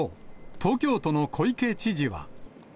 東京都の小池知事は。